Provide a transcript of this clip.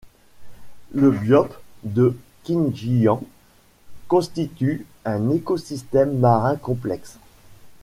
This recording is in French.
Le biote de Qingjiang constitue un écosystème marin complexe.